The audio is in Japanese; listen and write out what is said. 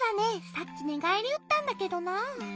さっきねがえりうったんだけどなぁ。